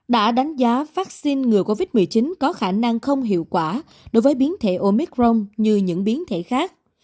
đã đánh giá vaccine ngừa covid một mươi chín có khả năng không hiệu quả đối với biến thể omicron như những biến thể khác